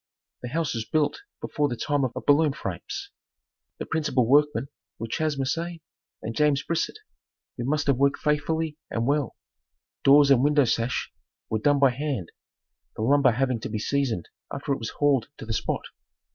The house was built before the time of baloon frames. The principal workmen were Chas. Merceau and James Brisette, who must have worked faithfully and well. Doors and window sash were done by hand, the lumber having to be seasoned after it was hauled to the spot.